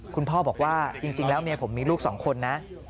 คุณพ่อบอกว่าจริงแล้วเมียผมมีลูก๒คนนะ